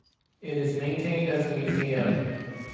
It is maintained as a museum.